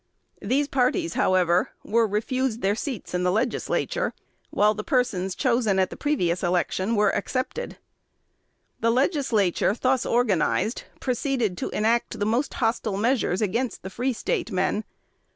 These parties, however, were refused their seats in the Legislature; while the persons chosen at the previous election were accepted. The Legislature thus organized proceeded to enact the most hostile measures against the Free State men.